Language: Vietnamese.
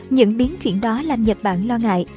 những biến chuyển đó làm nhật bản lo ngại